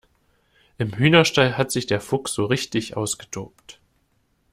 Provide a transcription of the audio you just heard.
Im Hühnerstall hat sich der Fuchs so richtig ausgetobt.